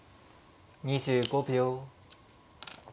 ２５秒。